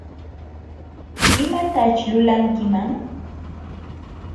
¿Imataćh lulankiman?